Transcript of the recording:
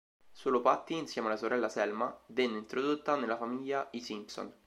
Solo Patty, insieme alla sorella Selma, venne introdotta nella famiglia I Simpson.